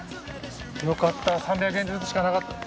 よかった３００円ずつしかなかった。